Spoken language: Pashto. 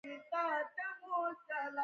چابهار بندر د سوداګرۍ لار ده.